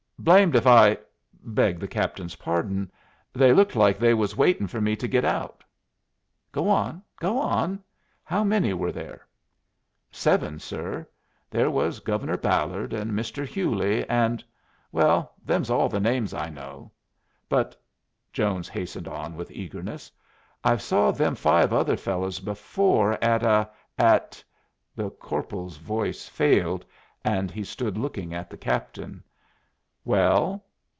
"Blamed if I beg the captain's pardon they looked like they was waitin' fer me to git out." "Go on go on. How many were there?" "Seven, sir. There was Governor Ballard and Mr. Hewley and well, them's all the names I know. But," Jones hastened on with eagerness, "I've saw them five other fellows before at a at " The corporal's voice failed, and he stood looking at the captain. "Well?